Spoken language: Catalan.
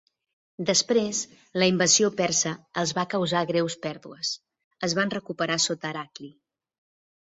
Després la invasió persa els va causar greus pèrdues; es van recuperar sota Heracli.